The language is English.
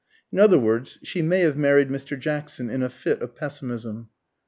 In other words, she may have married Mr. Jackson in a fit of pessimism.